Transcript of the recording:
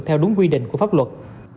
theo đúng quy định của pháp luật